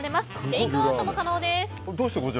テイクアウトも可能です。